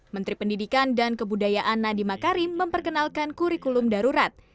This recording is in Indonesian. menteri pendidikan dan kebudayaan nadi makarim memperkenalkan kurikulum darurat